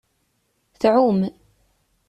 Tɛum.